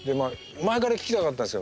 前から聞きたかったんですよ。